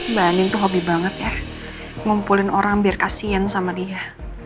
mbak anin tuh hobi banget ya ngumpulin orang biar kasihan sama dia